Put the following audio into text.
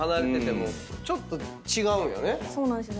そうなんですよ。